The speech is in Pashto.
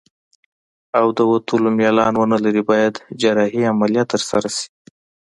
او د وتلو میلان ونلري باید جراحي عملیه ترسره شي.